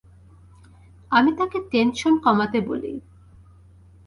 আমি তাঁকে টেনশন কমাতে বলি।